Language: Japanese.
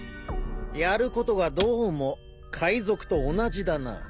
やることがどうも海賊と同じだな。